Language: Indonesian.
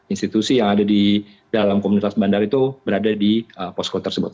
institusi yang ada di dalam komunitas bandar itu berada di posko tersebut